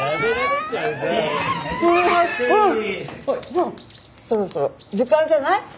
もうそろそろ時間じゃない？